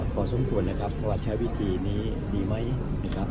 พอสมควรนะครับว่าใช้วิธีนี้ดีไหมนะครับ